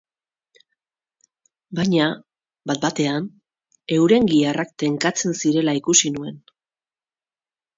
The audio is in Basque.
Baina, bat-batean, euren giharrak tenkatzen zirela ikusi nuen.